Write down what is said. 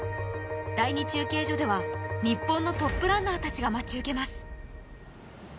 第２中継所では日本のトップランナーたちが待ち受けます。